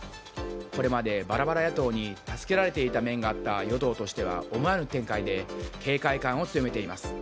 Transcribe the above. これまでバラバラ野党に助けられていた面があった与党としては、思わぬ展開で警戒感を強めています。